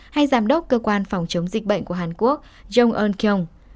hay giám đốc cơ quan phòng chống dịch bệnh của hàn quốc jong un kyung